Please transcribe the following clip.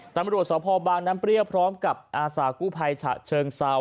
ตำรวจสพบางน้ำเปรี้ยวพร้อมกับอาสากู้ภัยฉะเชิงเซา